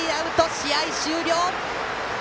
試合終了！